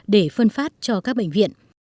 để phân phát cho các bệnh viện